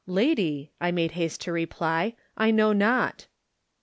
"Lady,'* I made haste to reply, "I know not.'